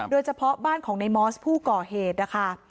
โดยเฉพาะบ้านของในมอสผู้ก่อเหตุนะคะ